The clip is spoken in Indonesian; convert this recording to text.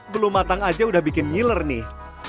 belum matang aja udah bikin ngiler nih